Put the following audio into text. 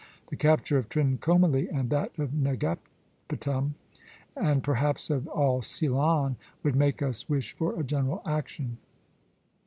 The capture of Trincomalee and that of Negapatam, and perhaps of all Ceylon, should make us wish for a general action."